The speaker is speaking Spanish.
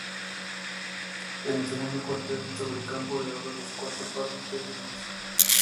En el segundo cuartel, sobre campo de oro, los cuatro palos de gules.